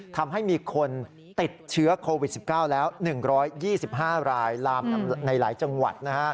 ทำให้มีคนติดเชื้อโควิด๑๙แล้ว๑๒๕รายลามในหลายจังหวัด